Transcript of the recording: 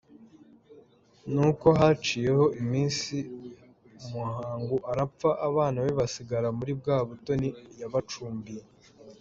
Nuko haciyeho iminsi Muhangu arapfa, abana be basigara muri bwa butoni yabacumbiye.